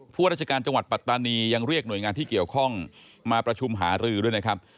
ราชการจังหวัดปัตตานียังเรียกหน่วยงานที่เกี่ยวข้องมาประชุมหารือด้วยนะครับ